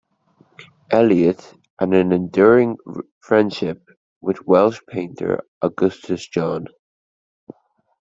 Eliot, and an enduring friendship with Welsh painter Augustus John.